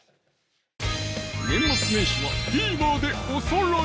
年末年始はＴＶｅｒでおさらい